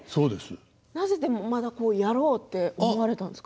なぜまたやろうって思われたんですか？